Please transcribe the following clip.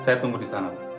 saya tunggu di sana